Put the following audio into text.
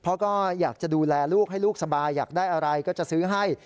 เพราะก็อยากจะดูแลลูกให้ลูกสบายอยากได้อะไรก็จะซื้อให้